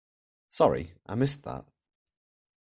Sorry, I missed that.